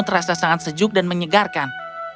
terasa sangat sejuk dan menyegarkan